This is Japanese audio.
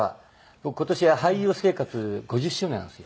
僕今年で俳優生活５０周年なんですよ。